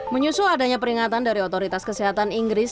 menyusul adanya peringatan dari otoritas kesehatan inggris